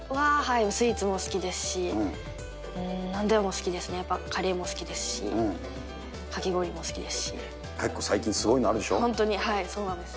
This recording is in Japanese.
スイーツも好きですし、なんでも好きですね、やっぱ、カレーも好きですし、かき氷も好結構、最近、すごいのあるで本当に、そうなんですよ。